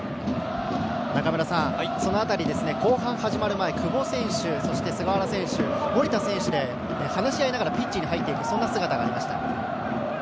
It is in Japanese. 中村さん、その辺り後半が始まる前久保選手、そして菅原選手と守田選手で話し合いながらピッチに入っていくそんな姿がありました。